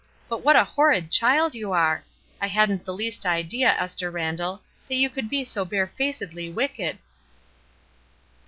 But what a horrid child you are ! I hadn't the least idea, Esther Randall, that you could be so bare facedly wicked!"